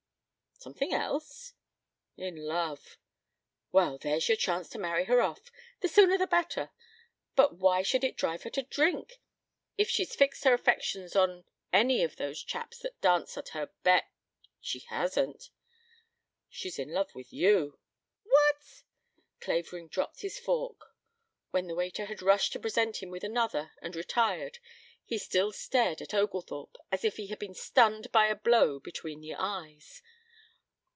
"Something else?" "In love." "Well, there's your chance to marry her off. The sooner the better. But why should it drive her to drink? If she's fixed her affections on any of those chaps that dance at her beck " "She hasn't. She's in love with you." "What!" Clavering dropped his fork. When the waiter had rushed to present him with another and retired, he still stared at Oglethorpe as if he had been stunned by a blow between the eyes.